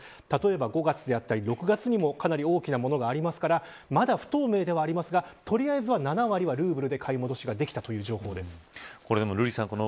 例えば５月や６月にもかなり大きなものがありますからまだ不透明ではありますが取りあえずは７割がルーブルで買い戻しができたという情報です。